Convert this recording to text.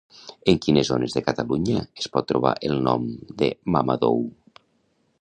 En quines zones de Catalunya es pot trobar el nom de Mamadou?